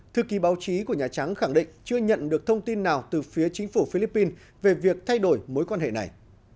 thư ký báo chí của nhà trắng khẳng định chưa nhận được thông tin nào từ phía chính phủ philippines về việc thay đổi mối quan hệ này